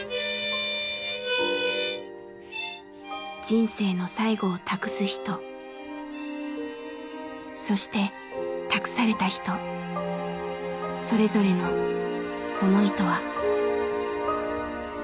人生の最期を託す人そして託された人それぞれの思いとは。